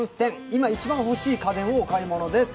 今、一番欲しい家電をお買い物です